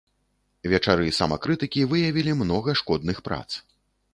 Вечары самакрытыкі выявілі многа шкодных прац.